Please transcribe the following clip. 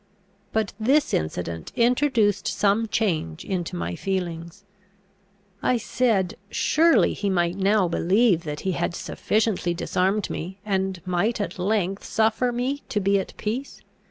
But this incident introduced some change into my feelings. I said, "Surely he might now believe that he had sufficiently disarmed me, and might at length suffer me to be at peace.